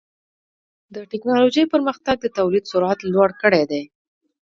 د ټکنالوجۍ پرمختګ د تولید سرعت لوړ کړی دی.